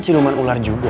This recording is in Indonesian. siluman ular juga